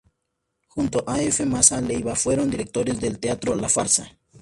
Junto a F. Mazza Leiva fueron directores del "Teatro La Farsa".